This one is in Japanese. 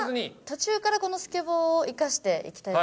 途中からこのスケボーを生かしていきたいと思います。